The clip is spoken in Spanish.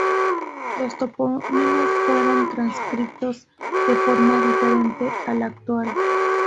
Los topónimos fueron transcritos de forma diferente a la actual.